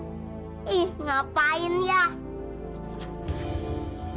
ih ngapain ya